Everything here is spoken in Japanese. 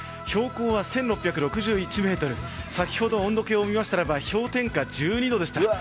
標高は１６６１ｍ先ほど温度計を見ましたら氷点下１２度でした。